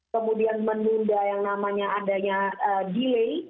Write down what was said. kemudian menunda yang namanya adanya delay